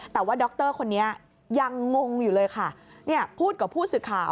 แต่ว่าดรคนนี้ยังงงอยู่เลยค่ะพูดกับผู้ศึกข่าว